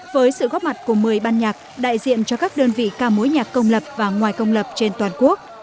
với sự góp mặt của một mươi ban nhạc đại diện cho các đơn vị ca mối nhạc công lập và ngoài công lập trên toàn quốc